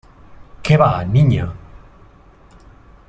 ¡ qué va , Niña !